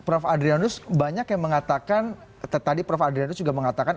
dan adrianus banyak yang mengatakan tadi prof adrianus juga mengatakan